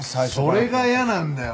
それが嫌なんだよ